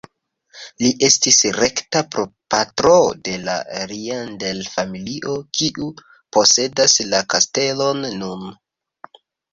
Li estis rekta prapatro de la Rieder-familio kiu posedas la kastelon nun.